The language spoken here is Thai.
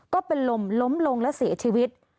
ก็เป็นลมล้มลงและเสียชีวิต